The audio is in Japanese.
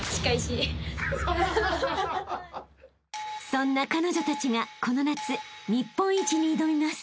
［そんな彼女たちがこの夏日本一に挑みます］